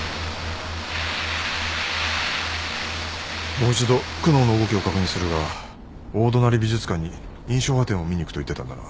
もう一度久能の動きを確認するが大隣美術館に『印象派展』を見に行くと言ってたんだな。